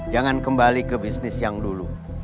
jangan kembali ke bisnis yang dulu